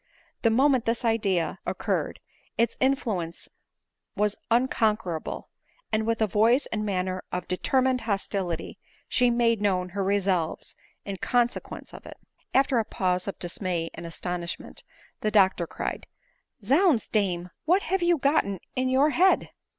The moment this idea occurred, its influence was unconquerable ; and with a voice and manner of determined hostility, she made known her resolves in consequence of it. After a pause of dismay and astonishment the doctor cried, " Zounds, dame, what have you gotten in your head